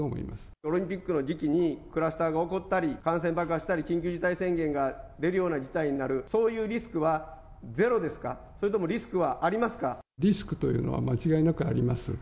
オリンピックの時期にクラスターが起こったり、感染爆発したり、緊急事態宣言が出るような事態になる、そういうリスクはゼロですか、それともリスクはありまリスクというのは、間違いなくあります。